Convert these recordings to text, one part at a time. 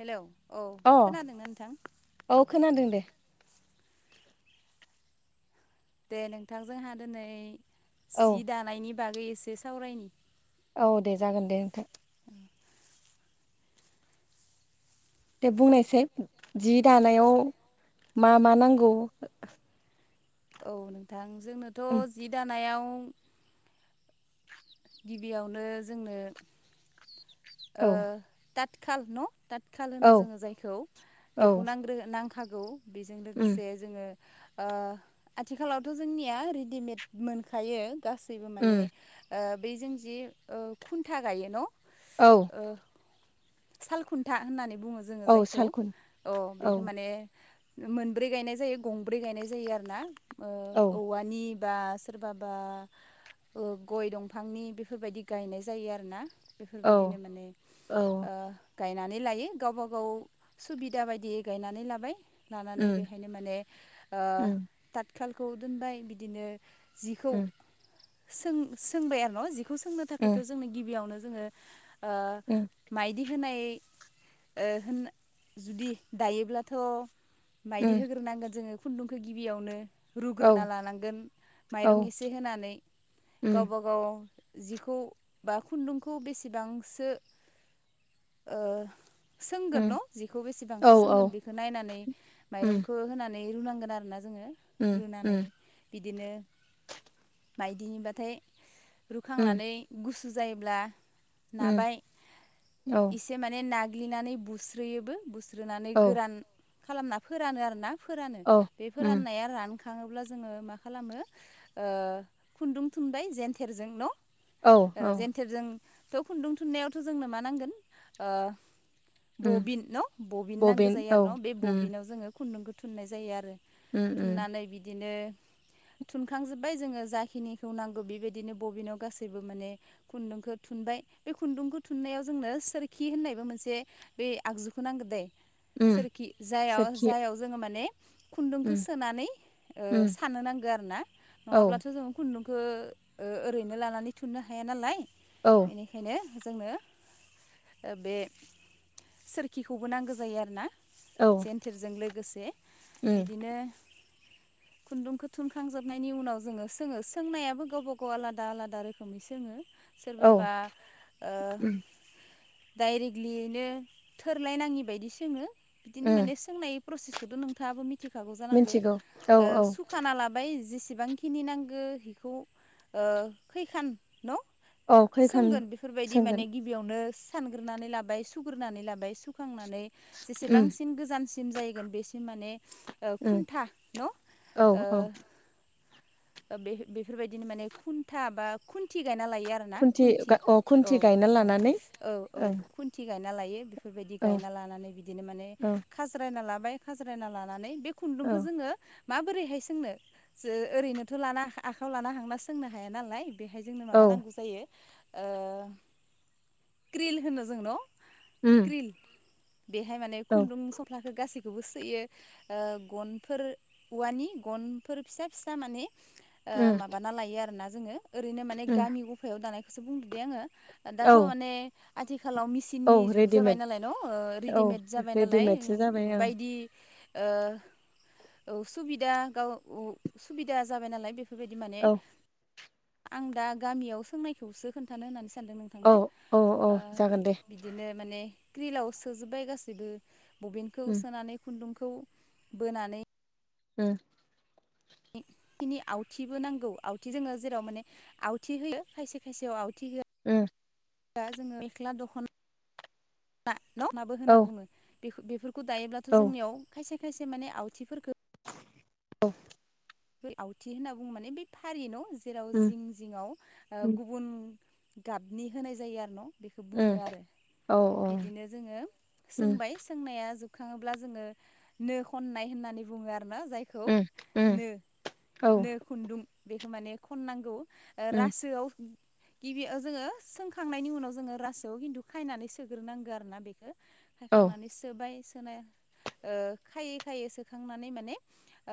Hello औ अ खोनादोंमोन नोंथां। औ खोनादों दे दे नोंथांजोंहा दिनै औ जि दानायनि बागै एसे सावरायनि औ दे जागोन दे नोंथां। दे बुंनायसै जि दानायाव मा मा नांगौ? औ नोंथां उम जोंनोथ' जि दानायाव गिबियावनो जोंनो ओ औ तात खाल न' ततखाल होनो औ जोङो। जायखौ बेखौ औ नांग्रो नांखागौ। बेजों उम लोगोसे जोङो। ओ आथिखालावथ' जोंनिया रेडिमेड मोनखायो। गासैबो माने उम ओ बैजों जि ओ खुन्था गायो न' औ ओ साल खुथा होननानै बुङो जोङो। औ जायखौ सालखुन अ औ बेखौ माने मोनब्रै गायनाय जायो गंब्रै गायनाय जायो आरो ना ओ औ औवानि बा सोरबाबा गय दंफांनि बेफोरबायदि गायनाय जायो आरोना। औ बेफोरबायदिनो माने औ ओ गायनानै लायो गावबा गाव सुबिदा बायदियै गायनानै लाबाय। लानानै उम बेहायनो माने ओ उम थाथखालखौ दोनबाय बिदिनो जिखौ उम सों सोंबाय आरो न' जिखौ सोंनो उम थाखायथ' जोंनो गिबियावनो जोङो। उम बिदि होनाय ओ होन जुदि दायोब्लाथ'। मायदि उम होग्रोनांगोन जोङो खुन्दुंखौ गिबियावनो औ रुग्रोना लानांगोन औ माइरं एसे होनानै उम गावबा गाव जिखौ बा खुन्दुंखौ बेसेबांसो ओ सोंगोन उम न' जिखौ बेसेबांसो औ औ सोंगोन बेखौ नायनानै उम माइरंखौ होनानै रुनांगोन आरोना ओ उम रुनानै उम बिदिनो माइदिनिबथाय उम रुखांनानै गुसु जायोब्ला उम नाबाय औ एसे माने नाग्लिनानै बुस्रोयोबो बुस्रोनानै औ गोरान खालामना फोरानो आरो ना। फोरानो औ बे उम फोराननाया रानख थाङोब्ला जोङो मा खालामो ओ खुन्दुं थुनबाय जेेनथेरजों न' ओ औ औ जेनथेरजों थ' खुन्दुं थुननायावथ' जोंनो मा नांगोन ओ उम बबिन न बबिन नांगौ जायो औ आरो न बे उम बबिनाव जोङो खुन्दुंखौ थुननाय जायो आरो उम उम थुननानै बिदिनो थुनखांजोब्बाय जोङो जाखिनिखौ नांगौ बेबायदिनो बबिनाव गासैबो माने खुन्दुंखौ थुनबाय बे खुन्दुंखौ थुननायाव जोंनो सोरखि होननायबो मोनसे बे आगजुखौ नांगो दे। उम सोरखि जाय सोरखि जायाव जोङो माने खुन्दुंखौ उम सोनानै ओ उम सानो नांगो आरो ना औ नङाब्लाथ' जों खुन्दुं ओ ओरैनो लानानै थुननो हाया नालाय, औ बेनिखायनो जोंनो ओ बे सोरखिखौबो नांगौ जायो आरोना। औ जेनथेरजों लोगोसे उम बिदिनो खुन्दुंखौ थुनखांजोबनायनि उनाव जोङो सोङो, सोंनायाबो औ सोरबाबा ओ उम डाइरेक्टलिनो थोरलायनाङि बायदि सोङो बिदिनो उम माने सोंनाय प्रसेसखौथ' नोंथाङाबो मिथिखागौ जानांगौ, मिथिगौ औ ओ औ सुखाना लाबाय जेसेबांखिनि नांगौ हिखौ ओ खैखान न' औ खैखान सोंगोन बेयावनो सानग्रोनानै लाबाय सुग्रोनानै लाबाय सुखांनानै उम जेसेबांसिन गोजान सिम जागोन बेसिम माने ओ उम खुन्था न' ओ औ औ ओ बे बेफोरबायदिनो माने खुन्था बा खुन्थि गायनालायो आरोना खुन्थि खुथि अ खुन्थि औ गायना औ लानानै औ औ ओं खुन्थि गायना लायो बि बेफोरबायदि औ गायना लानानै बिदिनो माने औ खाज्रायना लाबाय खाज्रायना लानानै बे खुन्दुंखौ जोङो माबोरैहाय सोंनो जो ओरैनोथ' लाना आ आखाइायाव लाना हांना सोंनो हाया नालाय बेहाय जोंनो औ माबा नांगौ जायो ओ क्रिल होनो जोंन' उम क्रिल बेहाय माने औ खुन्दुं सफ्लाखौ गासिबो बे खौबो सोयो ओ गनफोर औवानि गनफोर फिसा फिसा माने ओ उम माबाना लायो आरोना जोङो ओरैनो माने उम गामि गफायाव दानायखौसो बुंदो दे आङो। औ दाथ' माने आथिखाल आथिखालाव औ मेसिननि जुग जाबाय रेडिमेड नालाय न' ओ औ रेडिमेड जाबाय नालाय रेडिमेडसो जाबाय ओं बायदि ओ उसुबिदा गाव उ सुबिदा जाबाय नालाय बे बेफोरबायदि माने औ आं दा गामियाव सोंनायखौसो खोन्थानो होननानै सानदों। थांनो औ औ औ ओ जागोन दे बिदिनो माने क्रिलाव सोजोबबाय गासैबो बबिनखौ उम सोनानै खुन्दुंखौ बोनानै ओम खिनि आवथिबो नांगौ आवथि जोङो जेराव माने आवथि होयो खायसे खायसेयाव आवथि होआ ओम दा जोङो मेख्ला दखना ना न' नाबो औ होनना बुङो बे बेफोरखौ खौ दायोब्लाथ' औ जोंनियाव खायसे खायसे माने आवथिफोरखौ औ आवथि होनना बुङो माने बे फारि न' जेराव उम जिं जिङआव ओ उम गुबुन गाबनि होनाय जायो आरो न' बेखौ उम बुङो आरो औ बिदिनो जोङो उम सोंबाय सोंनाया जो सखाङोब्ला जोङो नो खननाय होननानै बुङो आरो ना जायखौ उम उम नो औ नो खुन्दुं बेखौ माने खननांगौ ओ उम रासोआव गिबियाव जोङो सोंखांनायनि उनाव जोङो रासोयाव खिन्थु खायनानै सोग्रोनांगौ आरो ना बेखौ। औ खायखांनानै सोबाय सोनाया ओ खायै खायै सोखांनानै माने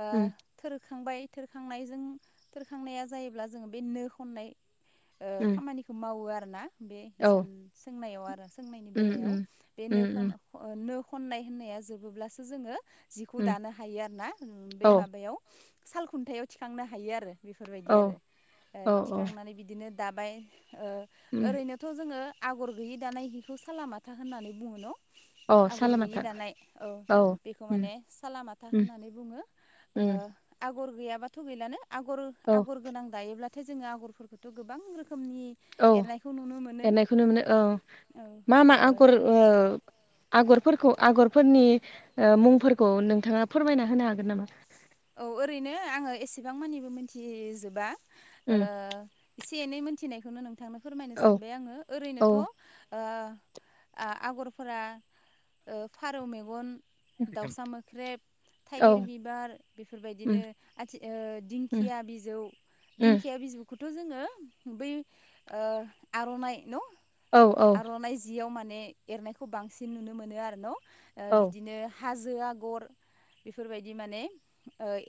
आ उम थ थोरखांबाय थोरखांनायजों थोरखांनाया जायोब्ला जोङो बे नो खननाय ओ उम खामानिखौ मावो आरो ना बे औ हिसान सोंनायाव आरो सोंनायनि उम बेलायाव उम बे उम नो उम नो खननाय होननाया जोबोब्लासो जोङो जिखौ उम दानो हायो आरो ना बै औ माबायाव साल खुन्थायाइाव थिखांनो हायो आरो बेफोरबायदि औ आरो औ औ थिखांनानै बिदिनो दाबाय ओ उम ओरैनोथ' जोङो आगर गैयि दानाय हिखौ सालालामाथा होननानै बुङोन' औ आगर गैयि सालामाथा दानाय औ बेखौ माने सालालामाथा उम होननानै बुङो। उम आगर गैयाबाथ' गैलानो आगर औ आगर गोनां दायोब्लाथाय जोङो आगरफोरखौथ' गोबां रोखोम औ एरनायखौ ननो मोनो औ औ मा मा ओ आगर आगरफोरखौ आगरफोरनि मुंफोरखौ नोंथाङा फोरमायना होनो हागोन नामा औ ओरैनो आङो एसेबां मानिबो मिथिजोबा उम एसे एनै मोनथिनायखौनो नोंथांनो फोरमायनो औ सानबाय आङो औ ओरैनोथ' आगरफोरा फारौ मेगन दाउसा मोख्रेब औ थाइगिर बिबार बेफोरबायदिनो उम आथि उम दिंखिया बिजौ उम दिंखिया बिजौखौ जोङो बै आर'नाइ न औ औ आर'नाइ जियाव म माने एरनायखौ बांसिन नुनो मोनो आरो नाव औ बिदिनो हाजो आगर बेफोरबायदि माने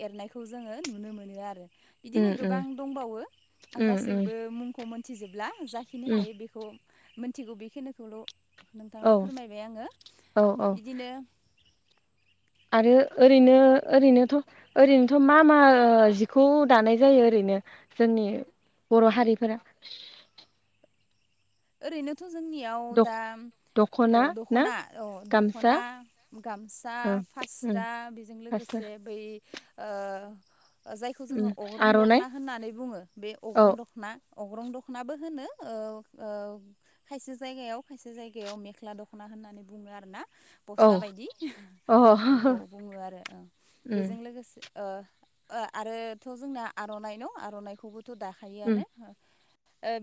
एरनायखौ जोङो नुनो मोनो आरो बिदिनो उम गोबां उम दंबावो आं उम उम गासैबो मुंखौ मोनथिजोबला जाखिनि उम हायो बेखौ मिथिगौ बेखिनिखौल' नोंथांनो औ फोरमायबाय आङो औ औ बिदिनो आरो ओरैनो ओरैनोथ' ओरैनोथ' मा मा जिखौ दानाय जायो ओरैनो नो जोंनि बर' हारिफोरा ओरैनोथ' जोंनियाव दख दा औ दख'ना ना दख'ना औ गामसा दख'ना गामसा ओ उम फास्रा बेजों फास्रा लोगोसे बै ओ जायखौ उम जोङो अग्रं दख'ना आर'नाइ होननानै बुङो बे औ अग्रं दख'ना अग्रं दख'नाबो होनो खायसे जायगायाव खायसे जायगायाव मेख्ला दख'ना होननानै बुङो आरो ना औ बस्था बायदि अ बेखौ बुङो आरो उम बेजों लोगोसे आरोथ' जोंना आर'नाइ नं आर'नाइखौबोथ' उम दाखायोआनो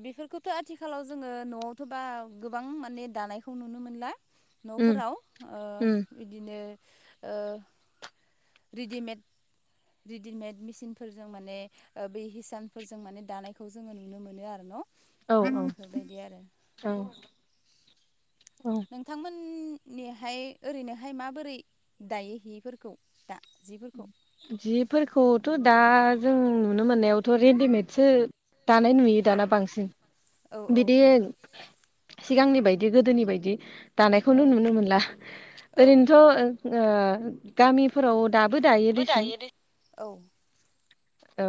बेफोरखौथ' आथिखालाव जोङो न'आवथ' बा गोबां माने दानायखौ नुनो मोनला उम न'फोराव उम बिदिनो रेडिमेड रेडिमेड मेचिनफोरजों माने बे हिसानफोरजों माने दानायखौ जोङो नुनो मोनो आरो न' औ बेफोरबायदि आरो औ औ औ नोंथांमोननिहाय ओरैनोहाय माबोरै दायो हिफोरखौ दा जिफोरखौ जिफोरखौथ' दा जों नुनो मोननायावथ' रेडिमेदसो दानाय नुयो औ दाना बांसिन औ औ बिदि औ सिगांनि बायदि गोदोनि बायदि औ दानायखौनो नुनो मोनला औ ओरैनोथ' गामिफोराव दाबो दायो बो दसोन दे औ ओ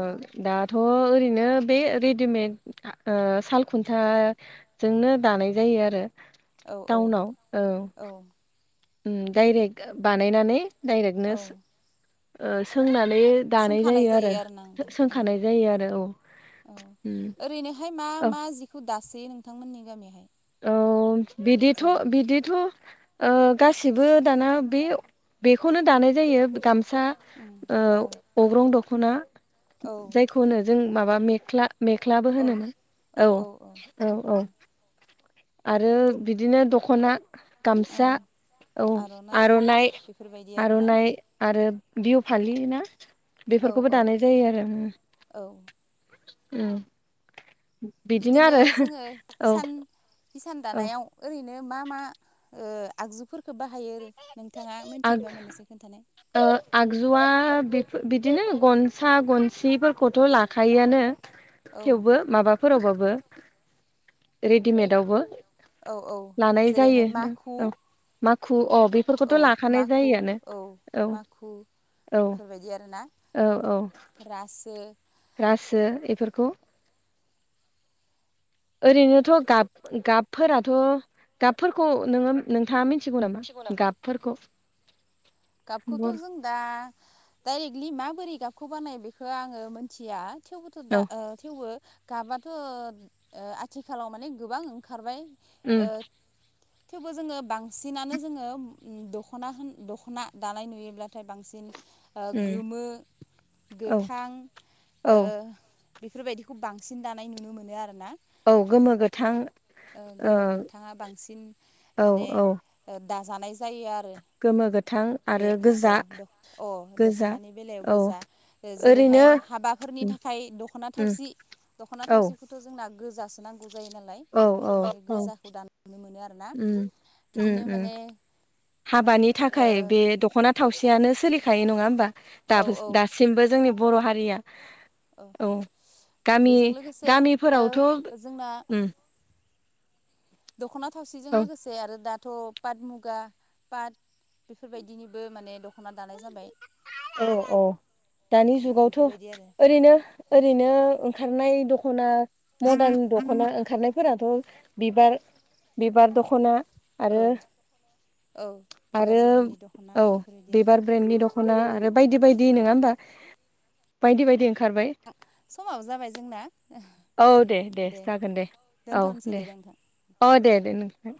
दाथ' ओरैनो बे रेडिमेड साल खुन्था जोंनो दानाय जायो आरो औ औ टाउनाव औ डाइरेक्ट बानायनानै डाइरेक्नो औ सोंनानै द दानाय सोंखानाय जायो आरो आरोना नोंथां औ सोंखानाय जायो आरो औ औ उम ओरैनोहाय मा औ मा जिखौ दासो नोंथांमोननि गामिहाय औ बिदिथ' बिदिथ' ओ गासिबो दाना बे बेखौनो दानाय जायो गामसा उम ओ औ अग्रं दखना औ जायखौनो जों माबा मेख्ला-मेख्लाबो औ होनोमोन औ औ औ आरो बिदिनो दख'ना औ गामसा औ आर'नाइ बेफोरबायदि आरोना आर'नाइ आरो बिहु फालि ना औ बेफोरखौबो औ दानाय जायो आरो। औ उम बिदिनो जोङो औ हिसान हिसान‌ औ दानायाव ओरैनो मा मा ओ आगजुफोरखौ बाहायो आरो नोंथाङा आग मिथियोबा मोननोसै खोन्थानाय। ओ आगजुवा बे-बिदिनो गन सा गनसिफोरखौथ' लाखायोआनो औ थेवबो माबा फोरावबाबो रेडिमेडावबो औ औ लानाय जेरैहाय जायो नों माखु औ माखु‌ खु अ बेफोरखौथ' औ लाखानाय माखु जायोआनो औ माखु औ बेफोरबायदि आरोना औ औ रासो रासो एफोरखौ ओरैनोथ' गाब गाबफोराथ' गाबफोरखौ नोङो नोंथाङा मिथ थिगौ नामा गाबफोरखौ गाबखौथ' बर जों दा डाइरेक्टलि माबोरै गाबखौ बानाय बेखौ आङो मोनथिया थेवबोथ' औ दा ओ थेवबो‌ गाबाथ' ओ आथिखालाव माने गोबां ओंखारबाय। उम थेवबो जोङो बांसिनानो जोङो दख'ना होन दख'ना दानाय नुयोब्लाथाय बांसिन ओ उम गोमो औ गोथां औ ओ बेफोरबायदिखौ बांसिन दानाय नुनो मोनो आरो ना। ओ औ गोमो गोथां ओ गोमो गोथाङा बांसिन औ माने औ दाजानायस गोमो गोथां बे आरो अ गोजा द अ गोजा दख'नानि बेलायाव औ गोजा ओरैनो जेरैहाय हाबाफोरनि थाखा खाय दख'ना उम थावसि दखना औ थावसिखौ' जों ना गोजासो नांगौ जायो नालाय औ बेनिखायनो औ माने औ गोजाखौ दान नुनो मोनो आरो। उम उम उम हाबानि थाखाय बे दख'ना थावसियानो सोलिखायो नङा होमबा ओ औ औ दासिमबो जोंनि बर' हारिया औ गामि बेजों लोगोसे गामिफोरावथ' जोंना उम दख'ना थावसिजों औ लोगोसे आरो दा थ' पाट मुगा पाट बेफोरबायदिनिबो माने द जाबाय औ औ दानि जुगावथ' बेफोरबायदि आरो ओरैनो ओरैनो ओं खारनाय दख'ना मदार्न दख'ना ओंखारनायफोराथ' बिबार बिबार दख'ना औ आरो औ बिबार ब्रेननि दख'ना बेफोरबायदि आरो ब्रेननि दख'ना आरो बायदि बायदि नङा हबा? बायदि बायदि ओं समाबो जाबाय जोंना औ दे दे जागोन दे औ दोनथ'नोसै दे नोंथां औ दे दे नोंथां।